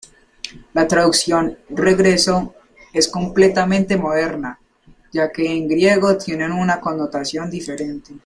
La traducción "regreso" es completamente moderna, ya que en griego tiene una connotación diferente.